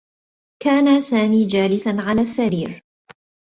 كان سامي جالسا على السّرير.